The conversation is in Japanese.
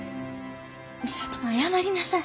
美里も謝りなさい。